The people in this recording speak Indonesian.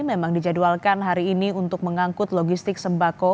memang dijadwalkan hari ini untuk mengangkut logistik sembako